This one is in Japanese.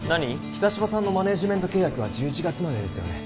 北芝さんのマネージメント契約は１１月までですよね